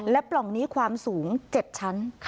และปล่องนี้ความสูง๗ชั้น